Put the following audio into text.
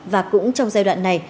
và cũng trong giai đoạn này